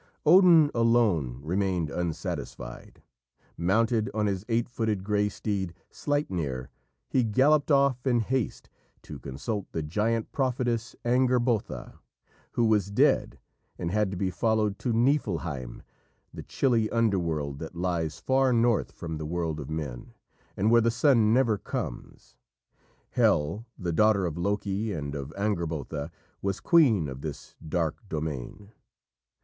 Odin alone remained unsatisfied. Mounted on his eight footed grey steed, Sleipnir, he galloped off in haste to consult the giant prophetess Angrbotha, who was dead and had to be followed to Niflheim, the chilly underworld that lies far north from the world of men, and where the sun never comes. Hel, the daughter of Loki and of Angrbotha, was queen of this dark domain.